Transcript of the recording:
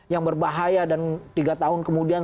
yang berbahaya dan tiga tahun kemudian